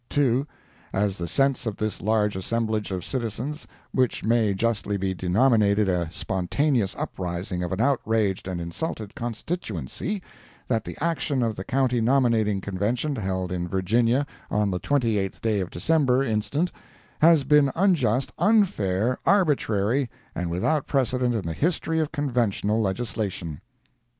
2. As the sense of this large assemblage of citizens which may justly be denominated a spontaneous uprising of an outraged and insulted constituency, that the action of the County Nominating Convention, held in Virginia on the 28th day of December, instant, has been unjust, unfair, arbitrary, and without precedent in the history of conventional legislation.